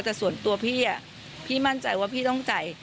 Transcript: แต่ส่วนตัวพี่พี่มั่นใจว่าพี่ต้องจ่าย